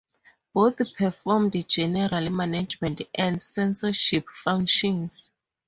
Both performed general management and censorship functions.